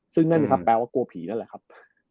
ซึ่งนั่นครับแปลว่ากลัวผีนั่นแหละครับ